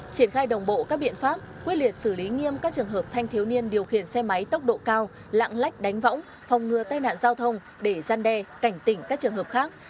triển khai đồng bộ các biện pháp quyết liệt xử lý nghiêm các trường hợp thanh thiếu niên điều khiển xe máy tốc độ cao lạng lách đánh võng phòng ngừa tai nạn giao thông để gian đe cảnh tỉnh các trường hợp khác